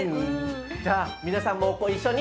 じゃあ皆さんもご一緒に。